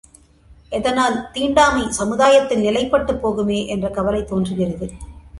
இதனால் தீண்டாமை சமுதாயத்தில் நிலைப்பட்டுப் போகுமே என்ற கவலை தோன்றுகிறது.